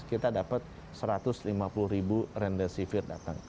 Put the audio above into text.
kita dapat satu ratus lima puluh ribu remdesivir datang